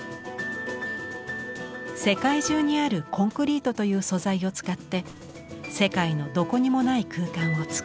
世界中にあるコンクリートという素材を使って世界のどこにもない空間をつくる。